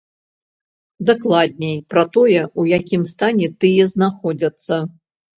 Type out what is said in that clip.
Дакладней, пра тое, у якім стане тыя знаходзяцца.